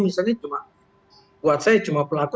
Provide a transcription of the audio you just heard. misalnya cuma buat saya cuma pelaku